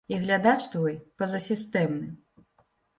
І глядач твой пазасістэмны.